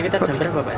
tapi kita berapa